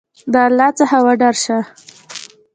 د الله څخه وډار شه !